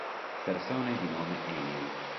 Persone di nome Emil